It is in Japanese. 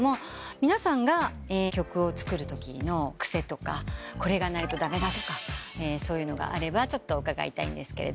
皆さんが曲を作るときの癖とかこれがないと駄目だとかそういうのがあれば伺いたいんですけど。